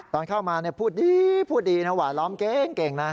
ตอนเข้ามาเนี่ยพูดดีพูดดีนะวะร้องเก่งนะ